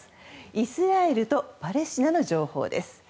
イスラエルとパレスチナの情報です。